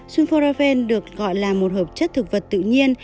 sunfornoven được gọi là một hợp chất thực vật tự nhiên